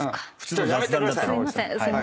やめてください葵さん。